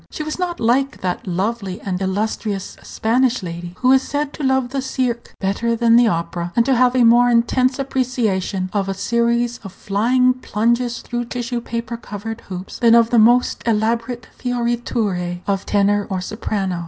She was not like that lovely and illustrious Spanish lady who is said to love the cirque better than the opera, and to have a more intense appreciation of a series of flying plunges through tissue paper covered hoops than of the most elaborate fioriture of tenor or soprano.